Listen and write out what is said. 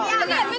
apa apaan sih ini